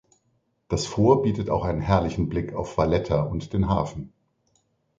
Das Fort bietet auch einen herrlichen Blick auf Valletta und den Hafen.